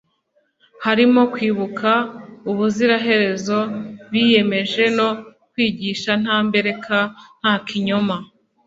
harimo kwibuka ubuziraherezo biyemeje no kwigisha nta mbereka nta kinyoma